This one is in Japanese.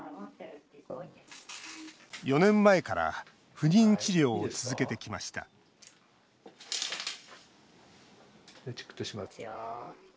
４年前から不妊治療を続けてきましたチクッとしますよ。